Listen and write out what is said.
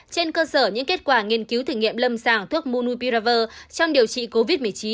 trên cơ sở những kết quả nghiên cứu thử nghiệm lâm sàng thuốc munu piraver trong điều trị covid một mươi chín